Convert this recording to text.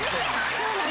そうなの。